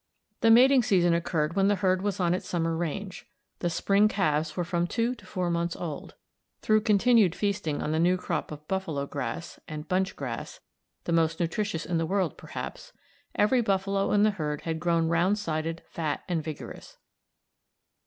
The mating season occurred when the herd was on its summer range. The spring calves were from two to four months old. Through continued feasting on the new crop of buffalo grass and bunch grass the most nutritious in the world, perhaps every buffalo in the herd had grown round sided, fat, and vigorous.